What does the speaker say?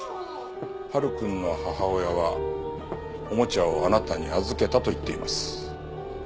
晴くんの母親はおもちゃをあなたに預けたと言っています。